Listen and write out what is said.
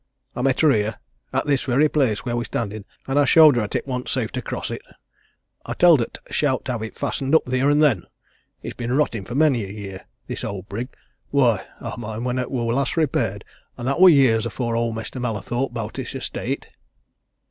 I met her here, at this very place where we're standin', and I showed her 'at it worn't safe to cross it. I tell'd her 't she owt to have it fastened up theer an' then. It's been rottin' for many a year, has this owd brig why, I mind when it wor last repaired, and that wor years afore owd Mestur Mallathorpe bowt this estate!"